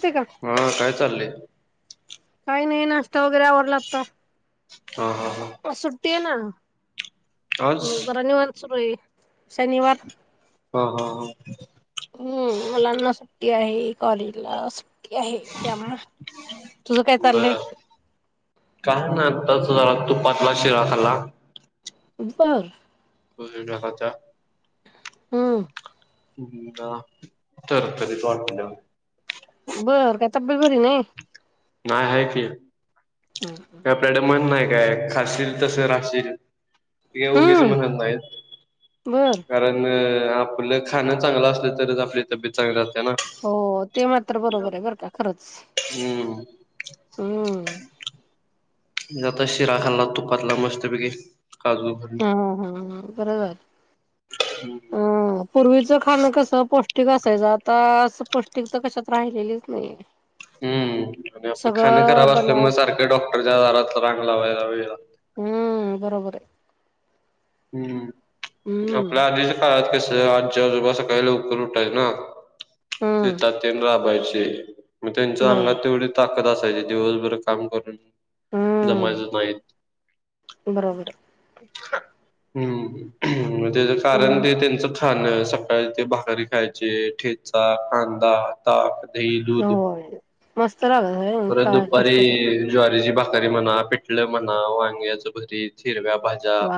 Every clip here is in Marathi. ते का हा काय चाललंय काही नाहीन असवगैर ओडलत हा हा हां सुट्टी आहे ना आज जरा निवन सुरू आहे शनिवार ह हा ह हम्म मलांना सुट्टी आहे कॉलेजला आहे त्यामु तुझं काय चाललंय बर काय नाही आताच जरा तुपातला शिरा खाला. उप खचा. हम्म. तर कधीच वाट बर काता बबरी नाही. नाही आहे की आपल्याडे मन नाही काय खाशील तसे राहशील. ठीे गेजन हम्म नाही बर कारण. आपलं खाणं चांगलं असलं तरच आपल्या. ती चांगली जह ना. हो ते मात्र बरोबर आहे बरं का खरंच हम्म हम्म. आता शिरा खाल्ला तुपातला मस्तपैकी काजू ह हा ह बरोबर. होम्. ह. पूर्वीचं खाणं कस पौष्टिक असायचं आता पौष्टिक तर कशात राहिलेलीच नाही. ह. हम्म आणि आपलं खाण खराब असल्यामुळेग बनावट सारखं डॉक्टरच्या आारात रांग ला व्हायला वगला हम्म बरोबर आहे. हम्म हम्म आपल्या आधीच्या काळात कस आजी आजोबा सकाळी लवकर उठायच ना हम्म शेतात ये राबायचे मग त्यांच्या अंगात बरोबर तेवढे. ताकद असायची दिवसभर काम करून जमायचं हम्म नाहीत. बरोबर. हम्म त्याच कारण हम्म ते त्यांच. खाण सकाळी ते भाकरी खायचे ठेचा कांदा ताक दही दूध. मस्त राग परत का कष्ट कर दुपारी ज्वारीची भाकरी म्हणा पिटल म्हणा वांग्याच घरी चिरव्या भाजी. वा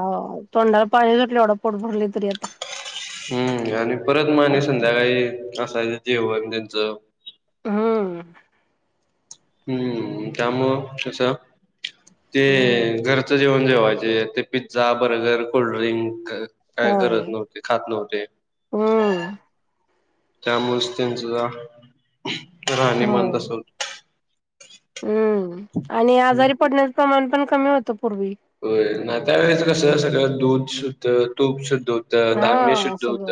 तोंडाला पाणी सुटले एवढं पोट भरले तरी आता. हम्म आणि परत माने ऐकून संध्याकाळी असायचं जेवण त्यांचं हम्म. हम्म त्यामुळं कसं ते हम्म घरचं जेवण जेवायचे ते. पिझ्झा बर्गर कोल्ड्रिंक काय होय करत नव्हते खात नव्हते. हम्म. त्यामुळेच त्यांच राहणी म होय अस होत. हम्म आणि आजारी पडण्याचं प्रमाण पण कमी होतं पूर्वी. हो ना त्या्यावेेळेच कसं सगळं दूध शुद्ध तूप सुुध दूध. धान्य हा शुद्ध सगळं होत.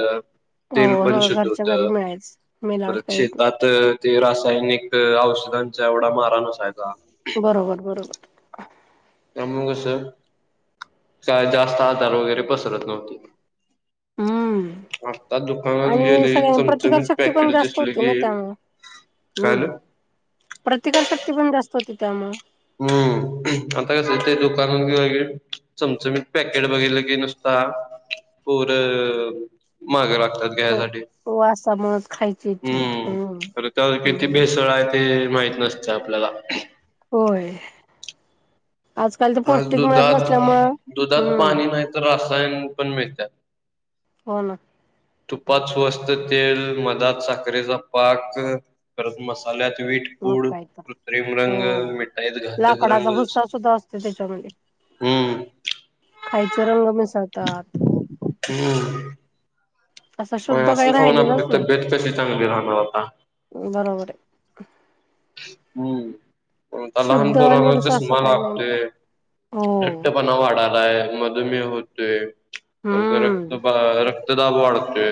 तेल हो पण सगळं शुद्ध घरच्या होत घरी मिळायच मेलावट परत काहीच नाही शेतात. ते रासायनिक औषधांचा एवढा माराण अससाायचा. बरोबर बरोबर. त्यामुग असं काय जास्त आजार वगैरे पसरत नव्हती. हम्म आत्ता दुकानात आणि गेले सगळ्यां चमचमीत प्रतिकारशक्ती पण पॅकेट जास्त दिसले होती ना की. त्यामुळे हम्म काल. प्रतिकारशक्ती पण जास्त होती त्यामुळेग. हम्म आता कसं इथ दुकान किवार. चमचं मी पॅकेट बघितलं की नुसता पोरं मागं लागतात. घ वासामुळेच खायची इच्छा होती. हम्म हम्मरे त्या किती हम्म. बेसळ आहेत. ते माहित नसत आपल्याला. होय आजकाल तर आज पौष्टिक मिळत दुधात नसल्यामु दुधात हम्म. पाणी नाही रासायन पण मिळतात. हो ना तुपात स्वस्त तेल मधात साखरेचा पाक परत मसाल्यात वीट मग पूड काय तर कृत्रिम हो. रंग मिठाईत घातक लाकडाचा रंग भुस्सा सुद्धा असतो त्याच्यामध्ये हम्म खायचे रंग मिसळतात हम् असं शुद्ध काही असं खाऊना राहिलेलंच त नाही बेत कशी चांगली राहणार आता बरोबर आहे हम्म ता शुद्ध लहानपराणा निरस असं चष्मा काही नाही मग लागतेोय हो लट्टपणा वाढालाय म होते रक्त हम्म रक्तदाब वाढते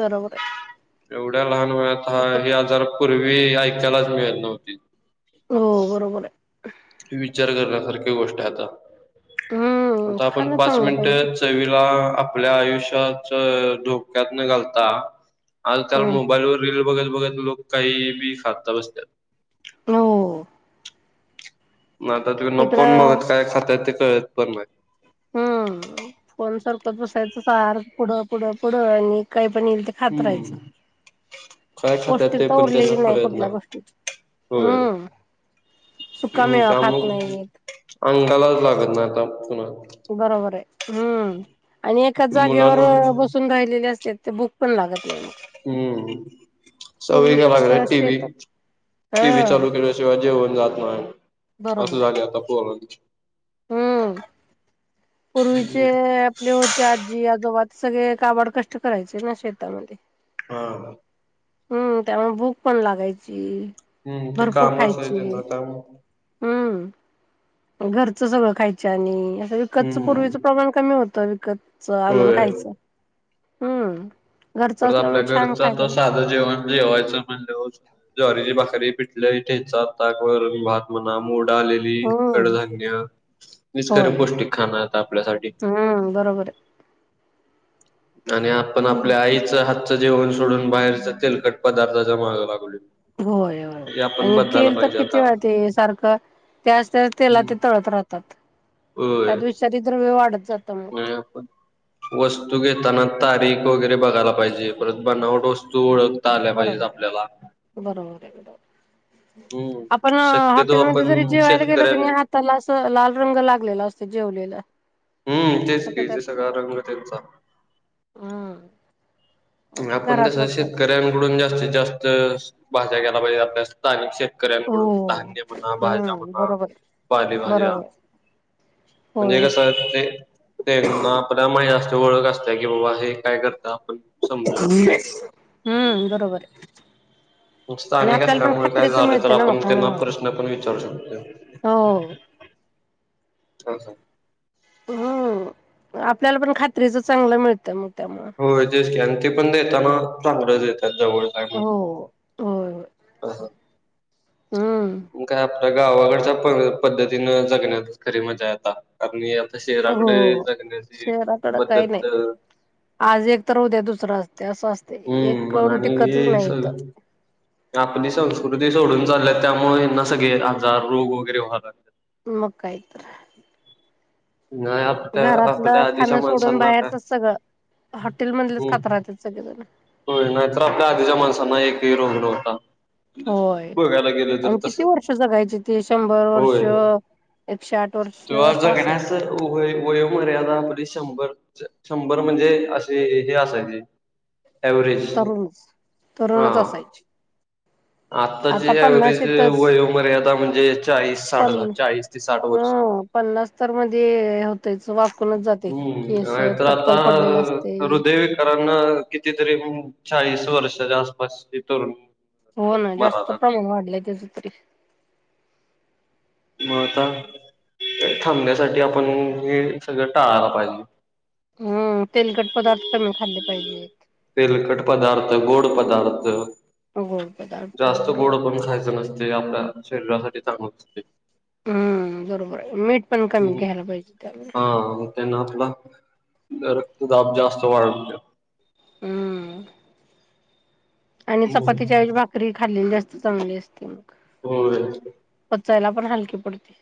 बरोबर आहे एवढ्या लहान वळत ह ते ह आजार पूर्वी ऐकायलाच मिळत नव्हती हो बरोबर आहे विचार करण्यासारख्या गोष्ट आता हम्म आता आपण खाणं पाच चांगलं पाहिजे. मिनिट चवीला आपल्या आयुष्या ोक्यात घालता आजकाल हम्म मोबाईलवर बघत बघत लोक काही बी खात बसतात हो ना आता तु नफोन इकडं बगत काय खातय ते कळत पण माहि हम्म फोन सारखच बसायचं सारख पुढं पुढं पुढं आणि काही पण येईल हम्म खातरायचं काय खातात पौष्टिक ते तर पण उरलेली त्यांना नाही कळत कुठल्या गोष्टी होय हम्म सुका मेळवा खात त्यामुळे नाही येत अंगालाच लागत ना आता पुन्हा बरोबर आहे हम्म आणि एकाच जागेवर मुलांना बसून राहिलेले असते ते बुक पण लागत नाही मग हम्म सळी पूर्वीच ग लाग कसं टी वी शेतात हा टी व्ही चालू केल्याशिवाय जेवण जात नाही असं बरोबर आहे झागे आता ब हम्म पूर्वीचे होते आजी आजोबा ते सगळे काबड कष्ट करायचे ना शेतामध्ये हा हम्म त्यामुळे भूक पण लागायची हम्म ते भरपूर कामच आहे खायची त्यांनाता हम्म घरचं सगळं खायच आणि असं विकतच हम्म पूर्वीचं प्रमाण कमी होतं विकत च आणलून होय खायचं हम्म घरचं परत असल्यामुळे आपल्या छान घरचा खायला तर साधं जेवण जेवायचं म्हणलं होत ज्वारीची भाकरी पिटले ठेचा ताकवर भात म्हणा मोडा आले हम्म कडधान्य विच खरे पौष्टिक खाण आहेत आपल्यासाठी ह बरोबर आहे आणि आपण हम्म आपल्या आईच हातचं जेवण सोडून बाहेरच तेलकट पदार्थ जमाग लागले होय आणि तेल तर किती आता. वेळ ते सारखं त्यास त्या तेला हम्म. ते तळत राह होय त्याद विषारी द्रव्य वाढत जातं मग. आपण वस्तू घेताना तारीख वगैरे बघायला पाहिजे परत बनावट वस्तू ओळख बरोबर आहे बरोबर आहे हम्म बरोबर आपण शक्यतो हॉटेलमध्येध्ये जरी आपण जेवायला गेलो शेतकऱ्यां की नाही त्याला अस लाल रंग लागलेला असत जेवलेला हम्म तेच सगळं क ज त्यात सगळा मेल रंग त्यांचा हम्म आपण घरातलंच स खायचं. करा डून जास्तीत जास्त भाष्या घ्याला पाहिजे आपल्या स्थानिकेत हो शकऱ्यांकडून धान्य म्हणा भाज्या हम्म म्हणा बरोबर पाली भाज्या बरोबर होय म्हणजे का सर त्यांना आपल्या माज असते ओळख असत की बाबा हे काय करत आपण समजू शकतो. हम्म बरोबर आहे. आणि स्थानिक आपल्याला पण असल्यामुळे काय खात्रीच झालं तर मिळत ना म आपण त्यांना प्रश्न पण विचारू शकतोय हो. [unintelligible] हा हा. हम्म आपल्याला पण खात्रीच चांगलं मिळतं मग त्यामु होजेस क आणि ते पण देताना चांगलंच देतात जवळ काय म्हण. हो. ह हा. हम्म. काय आपल्या गावाकडच्या पद्धतीन जगण्यात खरी मजा यता कार आता शहराकडे हो जगण्याची शहराकडं काही नाही पद्धत आज एक तर होद्या दुसरं असते असं असते एक हम्म मग करण आणि टिकतच हे नाही तर सगळं आपली संस्कृती सोडून चालल्या त्यामुळे हना सगळे आजार रोग वगैरे व्हाला. मुक्काायत नाही. आपल्या घरातलं आपल्या आधीच्या खाणं सोडून माणसांना काय बाहेरचच सगळं हॉटेल मधलेच खात राहतेात सगळेजण हो नाहीतर आपल्या आधीच्या माणसांना एकही रोगड होता. होय आणि किती तसं वर्ष जगायची ती शंभर होय वर्ष एकशे आठ वर्ष तेव्हा असं अस आहे. जगण्यास वय मर्यादा आपली शंभर शंभर म्हणजे असशी हे असायचे. एववरेज तरुणच तरुणच असायची. आत्ताची आता व्हरेज पन्नाशीतच वयमर्यादा म्हणजे, चाळीस साठ पण ह चाळीस ते साठ अ वर्ष पन्नास तर मध्ये होतेच वाकूनच जाते हम्म केस टक्कल पडलेलं असते. कार कितीतरी चाळीस वर्षाच्या आसपास तरुण हो ना, जास्त मराला प्रमाण वाढलंय त्याच तरी मग आता थांबण्यासाठी आपण हे सगळं टाळायला पाहिजे. हम्म, तेलकट पदार्थ कमी खाल्ले पाहिजे. तेलखट पदार्थ, गोड पदार्थ, गोड पदार्थ जास्त गोड बरोबर पण खायचं नसते. आपल्या शरीरासाठी चांगलं नसते. हम्म, बरोबर आहे. मीठ पण कमी घ्यायला पाहिजे. तेला हा त्यांना आपला रक्तदाब जास्त वाढत. हम्म. आणि चपातीच्या आची भाकरी खाल्लेली असस्त चांगली असते. मग हो. पचायला पण हलकी पडते.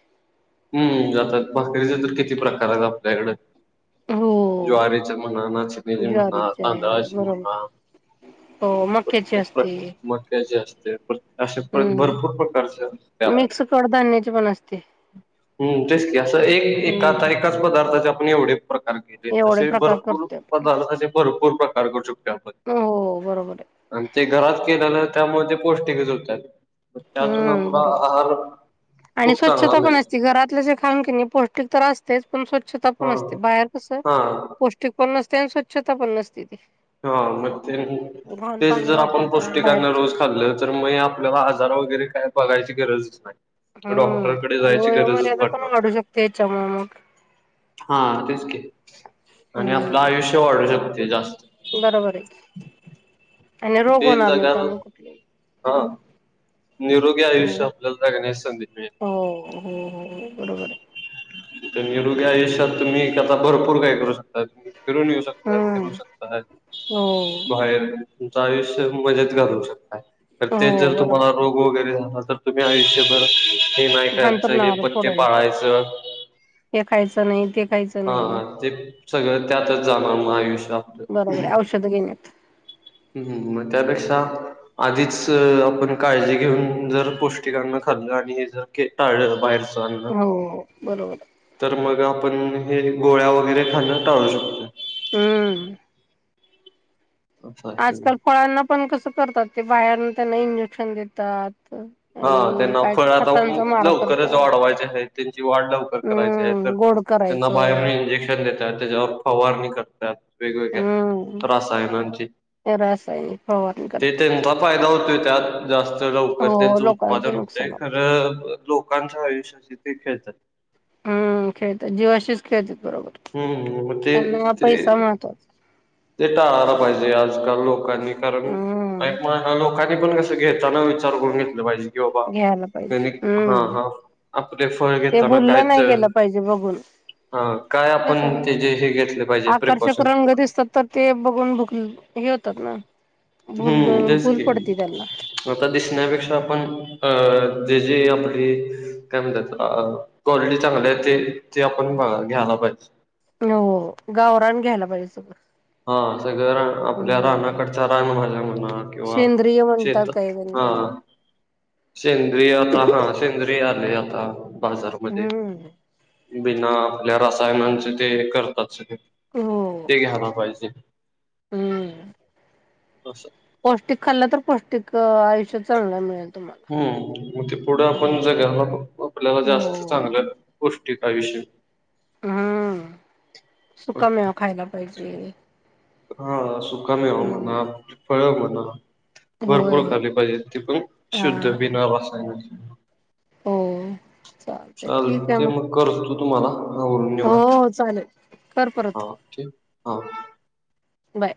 हम्म जातात भाकरीचे तर किती प्रकार आहेत आपल्याकड हो. ज्वारीची म्हणा नाचिणीचे म्हणा ज्वारीची आहे तांदळाची बरोबर. म्हणा. हो मक्याची असते. मक्या जे असते असे भरपूर प्रकारचे असते आपल्या चोड धान्याचे पण असते. हम्, तेच की असं एक एका आता हम्म एकाच पदार्थचे आपण एवढे केले एवढे तसे प्रकार भरपूर करते आपण. पदार्थ भरपूर प्रकार करक हो बरोबर आहे. आणि ते घरात केलेलं त्यामुळे ते पौष्टिकच होतात. मग आहे त्यातून हम्म आपला बरोबर. आहार खूप चांगला मिळेल. घरातल्या ज खाानखि पौष्टिक तर असतेच. पण स्वच्छता पण हा असते बाहेर कस हा पौष्टिक पण नसते. आणि स्वच्छता पण नसते. ती हा मग, ते घाण तेच पाणी जर आपण वापरतात पौष्टिकांने बाहेरचे. रोज खाल्लं तर मग, आपल्याला आजार वगैरे काय बघायची गरजच नाही. हम्, डॉक्टरकडे आणि जायची गरजच वयोमर्यादा पण पडणार नाही. वाढू शकते. याच्यामुळेळमठ हा तेचक आणि आपलं हम्म आयुष्य वाढू शकते जास्त बरोबर आहे. आणि रोग ते होणार नाही जागा त्यामुळे कुठलेही हा निरोध हम्म. आयुष्या आपल गणेश संधी हो हो हो बरोबर आहे. निलू घ्या एशत तुम्ही त्याता भरपूर काय करू शकता. तुम्ही फिरून येऊ शकताय फिरू हम्म शकताात हो बाहेर तुच आयुष्य मजेत घालू शकता तर ते हो जर तुम्हाला बरोबर रोग वगैरे झाला तर तुम्ही आयुष्यभर हे नाही करायचं हे अंथरुणावर पत्े पडून पाळायचं हे खायचं नाही. ते खायचं नाही हा ते सगळं त्यातच जाणार मग आयुष्या बरोबर आहे औषधं घेण्यात हम् हम् म त्यापेक्षा आधीच आपण काळजी घेऊन जर पौष्टिकांना खाल्लं आणि हे जर टाळलं बाहेरच हो बरोबर तर मग आपण हे गोळ्या वगैरे खाणं टाळू शकतो. हम्म असं आहे आजकाल फळांना पण कसं करतात ते बाहेर त्यांना इंजेक्शन देतात. हा आणि त्यांना काय फळ काय आता खतांचा मारा लवकरच करतात वाढवायचे आहे. त्यांची वाढ लवकर करायची आहे तर हम्म गोड त्यांना बाहेर करायचं इंजेक्शन देतात. त्याच्यावर फवारणी करतात. वेगवेगळ्या हम्म त्रास आहेची रासायनिक फवारणी ते करतात तेंत फायदा होतोय त्यात जास्त लवकर हो त्यांचं उत्पादन लोकांचं होतंय नुकसान होत ख लोकांच्या आयुष्याचे ते खेळतात हम्म खेळतात जीव अशीच खेळते बरोबर हम्म म ते त्यांना ते पैसा महत्वाचा ते टाळायला पाहिजे आजकाल लोकांनी कारण ऐ हम्म म लोकां पण कसं घेताना विचार करून घेतलं पाहिजे बाबा घ्यायला पाहिजे हा हम्म हा आपले फळ ते घताना भुललं कायच नाही गेलं पाहिजे बघून काय काय ते आपण कसं ते जे हे घेतले पाहिजे आकर्षक प्रिकॉशन्स रंग म दिसतात तर ते बघून भुक हे होतात ना भल हम्म तेच भूल पडती की त्यांना आता दिसण्यापेक्षा आपण अ जे जे आपली काय म्हणतात अ क्वालिटी चांगली आहे ते ते आपण घ्यायला पाहिजे हो गावरान घ्यायला पाहिजे सगळं हा सगळं रा आपल्या हम्म राहनाकडचं राहण माझ्या मना किंवा सेंद्रिय म्हणतात शत काही जण हा त्याला सेंद्रियाता हा सेंद्रियाली आता बाजारमध्ये हम्म बिना आपल्या रसायनाचे ते करतात स हो ते घ्यायला पाहिजे हम्म असं पौष्टिक खाल्लं तर पौष्टिक आयुष्य चललं मिळेल. तुम्हाला हम्म मग ते पुढं आपण जगला आपल्याला जास्त हो चांगलं गोष्टी आयषय हम्म सुकामेव खायला पाहिजे हा सुका मेव हम्म म फळ मणा होय भरपूर होय खाली पाहिजे ती पण हा शुद्ध हा बिना रासायन हो. चालतय चाल ठीक आहे ते मग करत तू तुम्हाला आवरून हो चालेल ख पर ह बाय